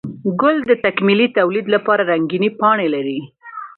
گل د تکميلي توليد لپاره رنګينې پاڼې لري